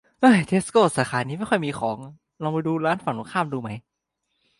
เทสโกสาขานี้ไม่ค่อยมีของ ลองไปดูร้านฝั่งตรงข้ามดูไหม